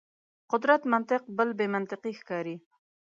قدرت منطق بل بې منطقي ښکاري.